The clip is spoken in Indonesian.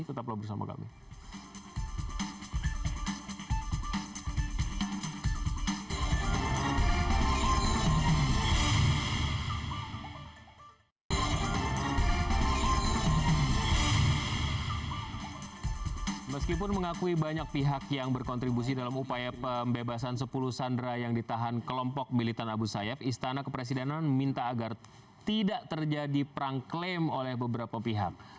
tetap berbicara bersama kami